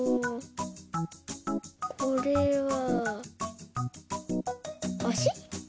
これはあし？